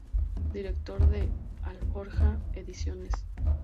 Director de "Alforja" Ediciones.